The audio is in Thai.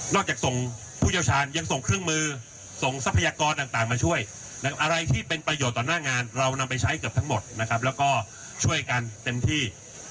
จากส่งผู้เชี่ยวชาญยังส่งเครื่องมือส่งทรัพยากรต่างมาช่วยอะไรที่เป็นประโยชน์ต่อหน้างานเรานำไปใช้เกือบทั้งหมดนะครับแล้วก็ช่วยกันเต็มที่